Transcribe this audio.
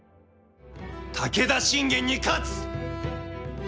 武田信玄に勝つ！